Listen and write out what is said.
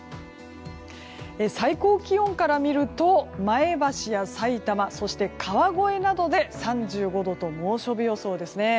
最高気温から見ると前橋やさいたまそして川越などで３５度と猛暑日予想ですね。